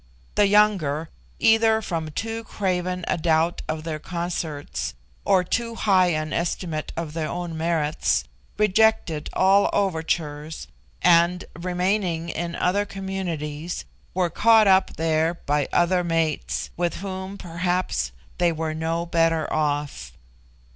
The younger, either from too craven a doubt of their consorts, or too high an estimate of their own merits, rejected all overtures, and, remaining in other communities, were caught up there by other mates, with whom perhaps they were no better off.